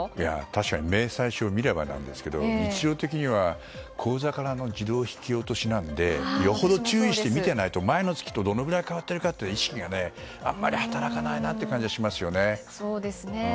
確かに明細書を見ればなんですけど、日常的には口座から自動引き落としなのでよほど注意して見てないと前の月とどのくらい変わっているかという意識があんまり働かないなという感じがしますよね。